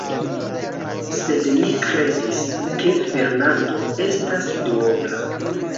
Sed mi kredis, ke Fernando estas duobla.